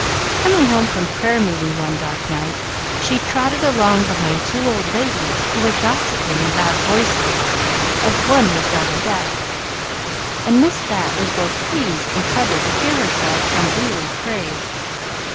Coming home from prayer meeting one dark night, she trotted along behind two old ladies who were gossiping in loud voices, as one was rather deaf, and Miss Bat was both pleased and troubled to hear herself unduly praised.